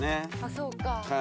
そうか。